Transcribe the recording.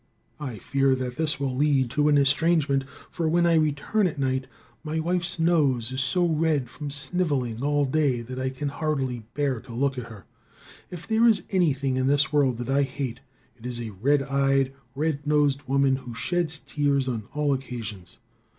"I fear that this will lead to an estrangement, for, when I return at night, my wife's nose is so red from sniveling all day that I can hardly bear to look at her. If there is anything in this world that I hate, it is a red eyed, red nosed woman who sheds tears on all occasions.